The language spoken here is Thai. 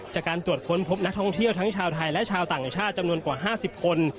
จากการตรวจค้นพบนักท่องเที่ยวทั้งชาวไทยและชาวต่างชาติจำนวนกว่า๕๐คน